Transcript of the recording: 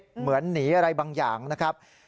เหมือนหนีอะไรบางอย่างนะครับ